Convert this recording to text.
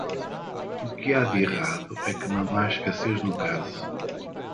O que há de errado é que não há escassez no caso.